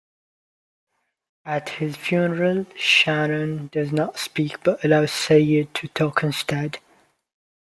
At his funeral, Shannon does not speak, but allows Sayid to talk instead.